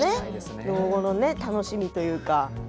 老後の楽しみというか。